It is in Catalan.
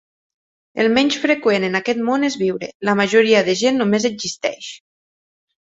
El menys freqüent en aquest món és viure. La majoria de gent només existeix.